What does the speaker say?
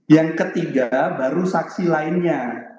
yang ketiga baru saksi lainnya